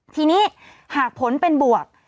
ทีนี้หากผลเป็นบวก